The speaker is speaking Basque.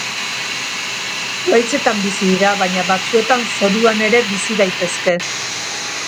Zuhaitzetan bizi dira baina batzuetan zoruan ere bizi daitezke.